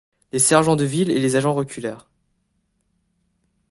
Les sergents de ville et les agents reculèrent.